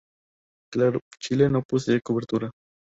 Claro Chile no posee cobertura.